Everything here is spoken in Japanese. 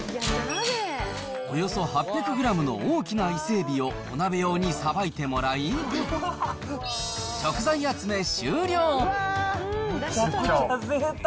およそ８００グラムの大きな伊勢エビを、お鍋用にさばいてもらい、食材集め終了。